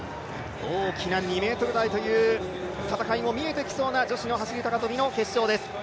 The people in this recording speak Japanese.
大きな２ｍ台という戦いも見えてきそうな女子の走高跳の決勝です。